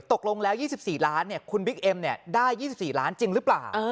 ตกลงแล้ว๒๔ล้านบาทเนี่ยคุณบิ๊กเอ็มเนี่ยได้๒๔ล้านจริงหรือปล่าว